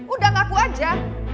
udah ngaku aja